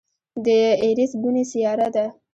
د ایرېس بونې سیاره ده.